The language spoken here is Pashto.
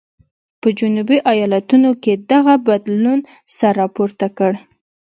په جنوبي ایالتونو کې دغه بدلون سر راپورته کړ.